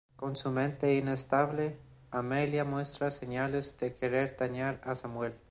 Con su mente inestable, Amelia muestra señales de querer dañar a Samuel.